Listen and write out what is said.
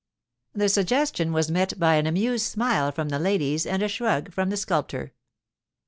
The suggestion was met by an amused smile from the ladies and a shrug from the sculptor.